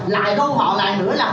lại đô họ lại nửa lần nữa à